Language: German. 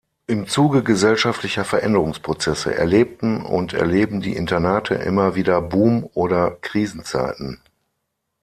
Im Zuge gesellschaftlicher Veränderungsprozesse erlebten und erleben die Internate immer wieder Boom- oder Krisenzeiten.